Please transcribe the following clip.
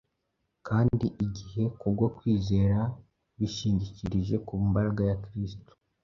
kandi igihe ku bwo kwizera bishingikirije ku mbaraga ya Kristo,